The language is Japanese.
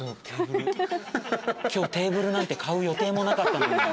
今日テーブルなんて買う予定もなかったのに。